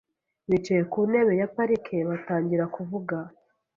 Bicaye ku ntebe ya parike batangira kuvuga .